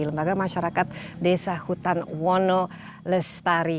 lembaga masyarakat desa hutan wonolestari